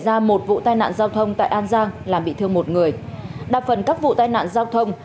xảy ra một vụ tai nạn giao thông tại an giang làm bị thương một người đa phần các vụ tai nạn giao thông